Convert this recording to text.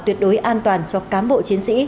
tuyệt đối an toàn cho cám bộ chiến sĩ